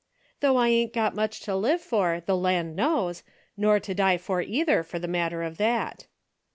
" Though I ain't got much to live for, the land knows — nor to die for either for the mat ter of that."